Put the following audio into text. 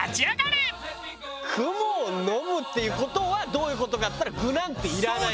「雲を呑む」っていう事はどういう事かっつったら具なんていらない。